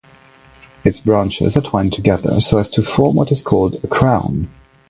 Its branches are twined together so as to form what is called a crown.